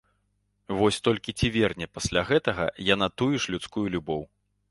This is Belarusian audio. Вось толькі ці верне пасля гэтага яна тую ж людскую любоў?